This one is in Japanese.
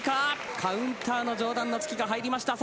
カウンターの上段の突きが入りました。